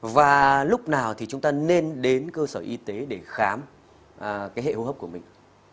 và lúc nào thì chúng ta nên đến cơ sở y tế để khám cái hệ hô hấp của mình